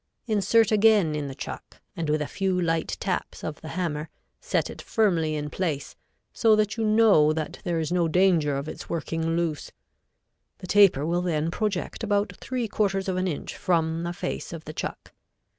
Insert again in the chuck, and with a few light taps of the hammer set it firmly in place, so that you know that there is no danger of its working loose. The taper will then project about three quarters of an inch from the face of the chuck.